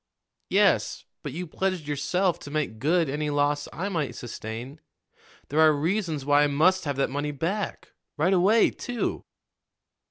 "Yes, but you pledged yourself to make good any loss I might sustain. There are reasons why I must have that money back right away, too."